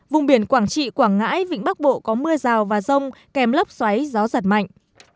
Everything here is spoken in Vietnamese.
vùng biển quảng trị quảng ngãi vịnh bắc bộ có mưa rào và rông kèm lốc xoáy gió giật mạnh